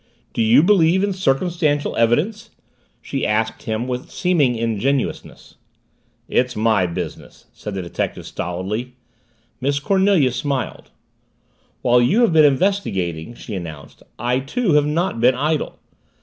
"Do you believe in circumstantial evidence?" she asked him with seeming ingenuousness. "It's my business," said the detective stolidly. Miss Cornelia smiled. "While you have been investigating," she announced, "I, too, have not been idle."